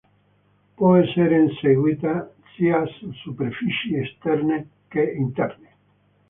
Può essere eseguita sia su superfici esterne che interne.